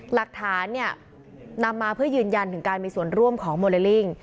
หลักฐานเนี่ยนำมาเพื่อยืนยันถึงการมีส่วนร่วมของโมเลลิ่ง